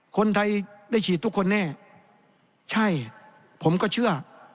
คนไทยได้ฉีดทุกคนแน่ใช่ผมก็เชื่อ